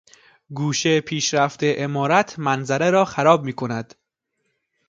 گوشهٔ پیشرفته عمارت منظره را خراب میکند.